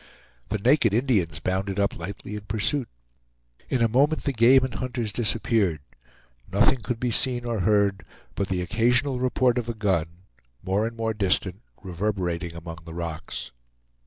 The naked Indians bounded up lightly in pursuit. In a moment the game and hunters disappeared. Nothing could be seen or heard but the occasional report of a gun, more and more distant, reverberating among the rocks.